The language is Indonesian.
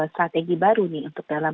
strategi baru nih untuk dalam